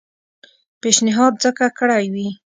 پېشنهاد ځکه کړی وي.